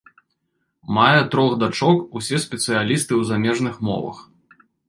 Мае трох дачок, усе спецыялісты ў замежных мовах.